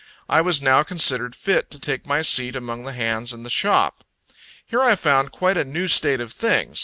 I was now considered fit to take my seat among the hands in the shop. Here I found quite a new state of things.